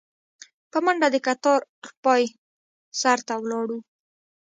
په منډه د کتار پاى سر ته ولاړو.